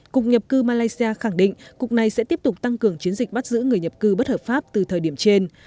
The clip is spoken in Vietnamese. cục nhập cư malaysia khẳng định cục này sẽ tiếp tục tăng cường chiến dịch bắt giữ người nhập cư bất hợp pháp từ thời điểm trên